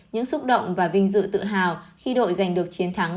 những xúc động và vinh dự tự hào khi đội giành được chiến thắng